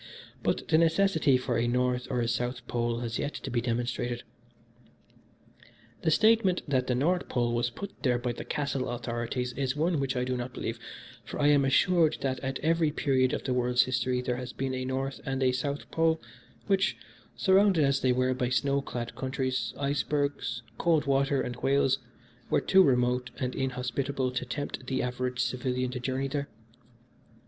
But the necessity for a North or a South Pole has yet to be demonstrated. "The statement that the North Pole was put there by the Castle authorities is one which I do not believe, for I am assured that at every period of the world's history there has been a North and a South Pole, which, surrounded as they were by snow clad countries, icebergs, cold water and whales, were too remote and inhospitable to tempt the average civilian to journey there.